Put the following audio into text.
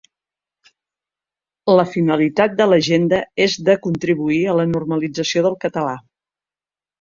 La finalitat de l’agenda és de contribuir a la normalització del català.